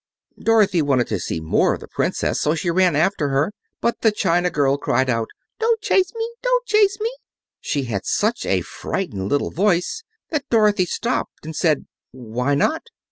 Dorothy wanted to see more of the Princess, so she ran after her. But the china girl cried out: "Don't chase me! Don't chase me!" She had such a frightened little voice that Dorothy stopped and said, "Why not?"